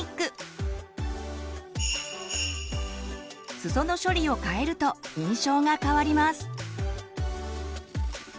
すその処理を変えると印象が変わります。